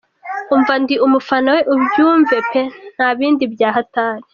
Umva ndi umufana we ubyumve peee nta bindi bya hatari.